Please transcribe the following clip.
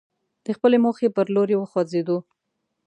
د خپلې موخې پر لوري وخوځېدو.